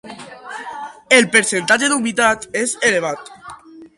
El percentatge d'humitat és elevat.